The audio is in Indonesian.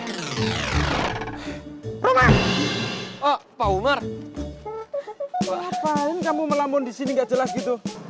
kenapa kamu ngelamon disini gak jelas gitu